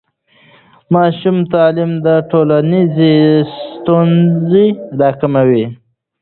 د ماشوم تعلیم ټولنیزې ستونزې راکموي.